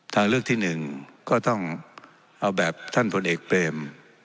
ทางเลือกที่หนึ่งก็ต้องเอาแบบท่านพลเอกเปรม